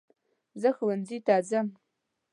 زه ښونځي ته ځم.